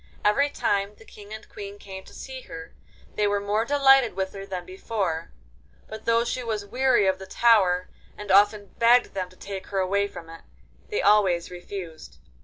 Every time the King and Queen came to see her they were more delighted with her than before, but though she was weary of the tower, and often begged them to take her away from it, they always refused.